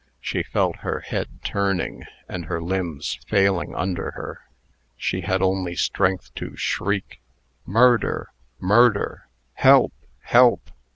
She felt her head turning, and her limbs failing under her. She had only strength to shriek, "Murder! murder! Help! help!"